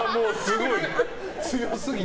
強すぎて。